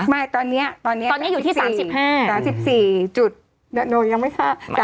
ไม่ตอนนี้ตอนนี้อยู่ที่๓๔จุดโดยยังไม่ถ้า